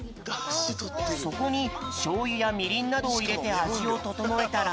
そこにしょうゆやみりんなどをいれてあじをととのえたら。